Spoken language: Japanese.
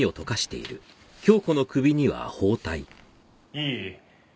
いい？